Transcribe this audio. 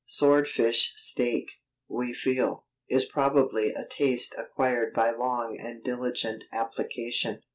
Swordfish steak, we feel, is probably a taste acquired by long and diligent application.